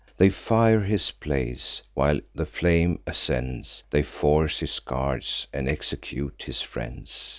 They fire his palace: while the flame ascends, They force his guards, and execute his friends.